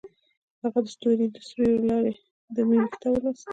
هغې د ستوري تر سیوري لاندې د مینې کتاب ولوست.